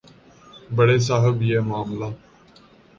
بڑے صاحب یہ معاملہ